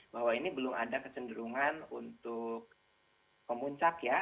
bahwa ini belum ada kecenderungan untuk pemuncak ya